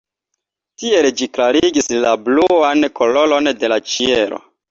Tiel ĝi klarigis la bluan koloron de la ĉielo.